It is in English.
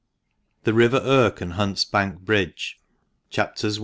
THE RIVER IRK AND HUNT'S BANK BRIDGE— CHAPTERS I.